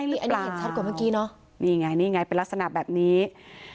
อันนี้เห็นชัดกว่าเมื่อกี้เนอะนี่ไงนี่ไงเป็นลักษณะแบบนี้